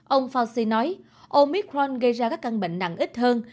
ông fauci nói omicron gây ra các căn bệnh nặng ít hơn